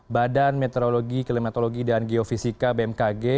badan meteorologi klimatologi dan geofisika bmkg